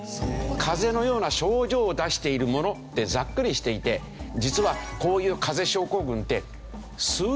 風邪のような症状を出しているものってざっくりしていて実はこういう風邪症候群って数百種類もあるんですよ。